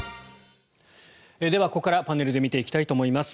では、ここからパネルで見ていきたいと思います。